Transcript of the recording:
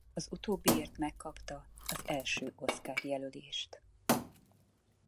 Utóbbiért megkapta az első Oscar-jelölést.